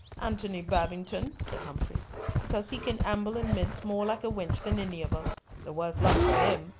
"Antony Babington," said Humfrey, "because he can amble and mince more like a wench than any of us. The worse luck for him.